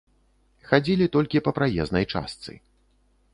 Хадзілі толькі па праезнай частцы.